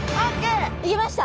いけました？